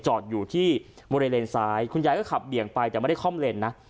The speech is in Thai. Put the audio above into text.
จอดอยู่ที่บริเวณเลนซ้ายคุณยายก็ขับเบี่ยงไปแต่ไม่ได้คล่อมเลนนะ